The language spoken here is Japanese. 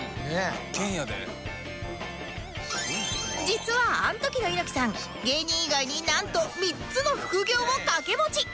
実はアントキの猪木さん芸人以外になんと３つの副業を掛け持ち